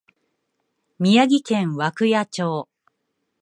宮城県涌谷町